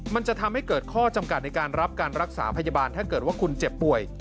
มันจะทำให้เกิดข้อจำกัดในการรับการรักษาพยาบาลถ้าเกิดว่าคุณเจ็บป่วย